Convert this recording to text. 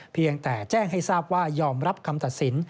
เพียงแต่แจ้งให้ทราบว่ายอมรับคำตัดสิน